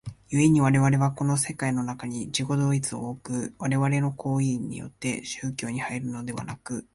故に我々はこの世界の中に自己同一を置く我々の行為によって宗教に入るのでなく、